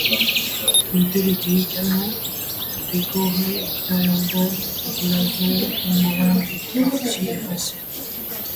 L'hôtel était également décoré extérieurement de blasons en grande partie effacés.